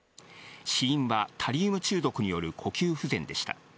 死因は、タリウム中毒による呼吸不全でした。